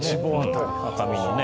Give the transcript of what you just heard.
赤身のね